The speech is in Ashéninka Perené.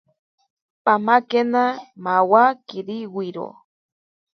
Pamakena mawa kiriwiro.